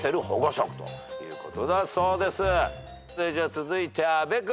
続いて阿部君。